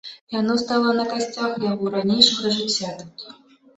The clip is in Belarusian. Яно стала на касцях яго ранейшага жыцця тут.